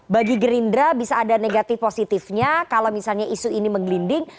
bagi gerindra bisa ada negatif positifnya kalau misalnya isu ini menggelinding